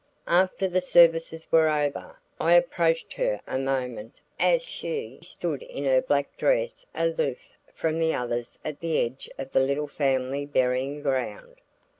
After the services were over, I approached her a moment as she stood in her black dress aloof from the others at the edge of the little family burying ground.